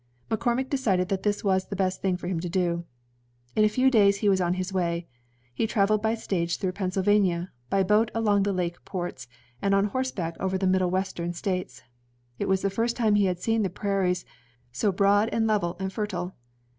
'' McCormick decided that this was the best thing for him to do. In a few days he was on his way. He traveled by stage through Pennsylvania, by boat along the lake ports, and on horseback over the Middle Western States. It was the first time he had seen the prairies, so broad and level and fertile.